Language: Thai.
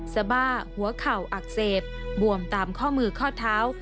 สบ้าหัวเข่าอักเสบบวมตามข้อมือข้อเท้า